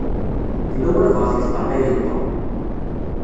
Yella walebɛaḍ i yeṭṭalayen Tom.